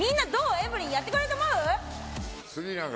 エブリンやってくれると思う？